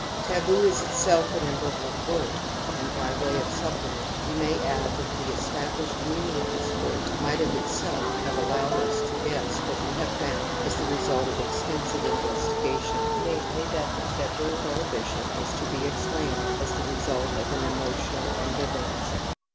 T^ibgQJs^ilselL n6^^ ^^^ m ambivalent word and by way of supplement tjiM tXx(li\ we mayada that the established meaning of this word might of itself have allowed us to guess what we have foimd as the result of extensive in ■ vestigation, namely, that the taboo prohibition is to be explained as the result of an emotional ambivalence.